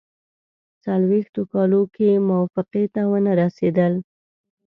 څلوېښتو کالو کې موافقې ته ونه رسېدل.